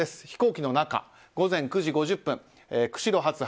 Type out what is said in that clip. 飛行機の中、午前９時５０分釧路発